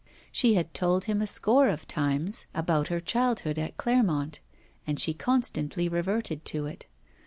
She had told him a score of times about her childhood at Clermont, and she constantly reverted to it.